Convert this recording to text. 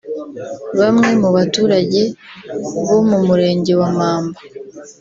Bamwe mu baturage bo mu murenge wa Mamba